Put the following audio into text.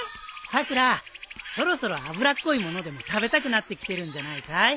さくらそろそろ脂っこいものでも食べたくなってきてるんじゃないかい？